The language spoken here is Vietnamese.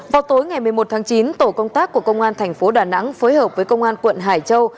vào tối ngày một mươi một tháng chín tổ công tác của công an thành phố đà nẵng phối hợp với công an quận hải châu